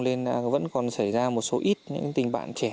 nên vẫn còn xảy ra một số ít những tình bạn trẻ